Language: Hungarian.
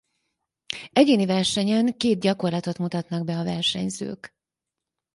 Egyéni versenyen két gyakorlatot mutatnak be a versenyzők.